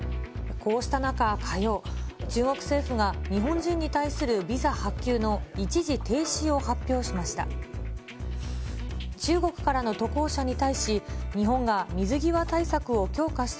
こうした中、火曜、中国政府が日本人に対するビザ発給の一時停止を発表しました。